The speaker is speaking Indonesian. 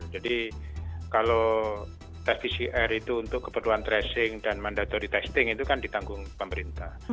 jadi kalau tes pcr itu untuk kebutuhan tracing dan mandatory testing itu kan ditanggung pemerintah